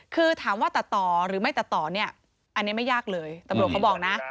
คือถามว่าตัดต่อหรือไม่ตัดต่อเนี่ยอันนี้ไม่ยากเลยตำรวจเขาบอกนะ